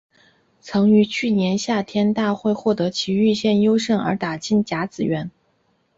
曾于去年夏季大会获得崎玉县优胜而打进甲子园。